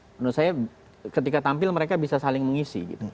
menurut saya ketika tampil mereka bisa saling mengisi